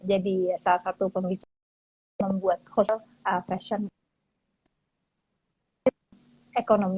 jadi salah satu pembicaraan membuat fashion